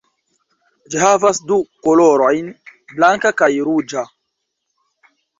Ĝi havas du kolorojn: blanka kaj ruĝa.